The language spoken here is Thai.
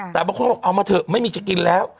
แต่บางคนบอกเอามาเถอะไม่มีจะกินแล้ว